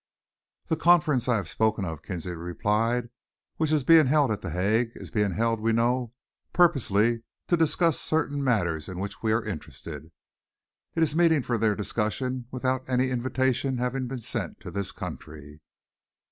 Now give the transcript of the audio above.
"That Conference I have spoken of," Kinsley replied, "which is being held at The Hague, is being held, we know, purposely to discuss certain matters in which we are interested. It is meeting for their discussion without any invitation having been sent to this country.